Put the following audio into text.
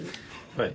はい。